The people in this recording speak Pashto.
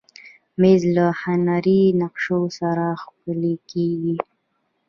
مېز له هنري نقشو سره ښکليږي.